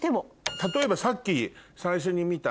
例えばさっき。